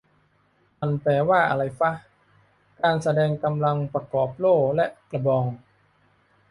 มันแปลว่าอะไรฟะ "การแสดงกำลังประกอบโล่และกระบอง"